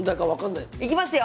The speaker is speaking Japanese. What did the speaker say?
いきますよ？